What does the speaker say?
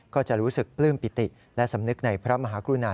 ก็จะรู้สึกปลื้มปิติและสำนึกในพระมหากรุณา